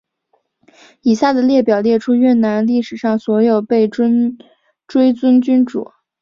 以下的列表列出越南历史上所有被追尊君主。